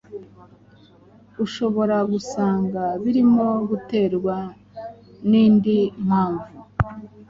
ushobora gusanga birimo guterwa n’indi mpavu